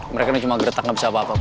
mereka ini cuma gretak ga bisa apa apa pak